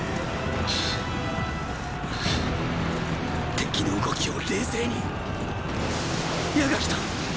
敵の動きを冷静に矢が来たっ！